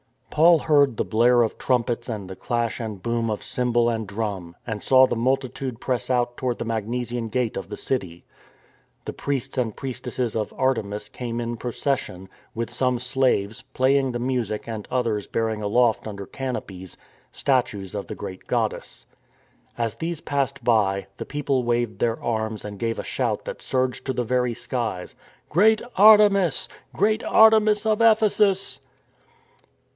Paul heard the blare of trumpets and the clash and boom of cymbal and drum, and saw the multitude press out toward the Magnesian Gate of the City. The priests and priestesses of Artemis came in pro cession, with some slaves playing the music and others * May 25 was the date of the festival of Artemis of Ephesus. 260 STORM AND STRESS bearing aloft under canopies statues of the great god dess. As these passed by, the people waved their arms and gave a shout that surged to the very skies —" Great Artemis, Great Artemis of Ephesus."